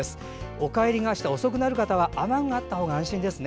お帰りが遅くなる方は雨具があった方が安心ですね。